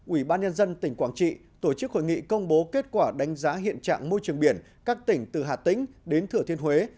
ủy ban nhân dân tỉnh quảng trị tổ chức hội nghị công bố kết quả đánh giá hiện trạng môi trường biển các tỉnh từ hà tĩnh đến thửa thiên huế